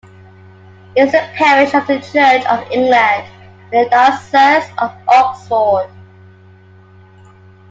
It is a parish of the Church of England in the Diocese of Oxford.